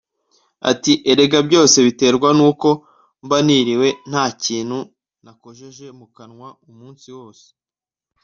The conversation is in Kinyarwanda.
Ati “ Erega byose biterwa n’uko mba niriwe nta kintu nakojeje mu kanwa umunsi wose